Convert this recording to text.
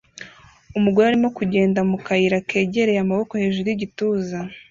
Umugore arimo kugenda mu kayira kegereye amaboko hejuru y'igituza